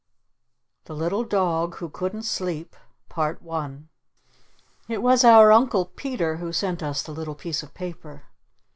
THE LITTLE DOG WHO COULDN'T SLEEP It was our Uncle Peter who sent us the little piece of paper.